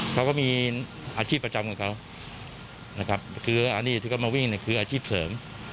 เขาก็มีอาชีพประจำของเขานะครับคืออันนี้ที่เขามาวิ่งเนี่ยคืออาชีพเสริม